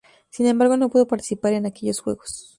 Sin embargo no pudo participar en aquellos juegos.